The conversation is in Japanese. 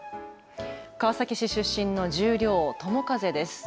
川崎市出身の十両・友風です。